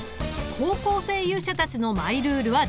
高校生勇者たちのマイルールは出来た。